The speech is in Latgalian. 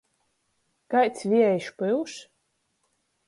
Kaids viejs pyuš?